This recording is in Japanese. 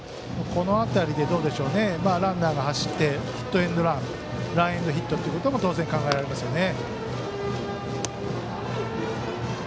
この辺りでランナーが走ってヒットエンドランランエンドヒットということも当然考えられますよね。